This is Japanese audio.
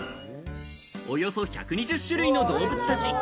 およそ１２０種類の動物たち。